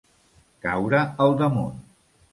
Caure al damunt.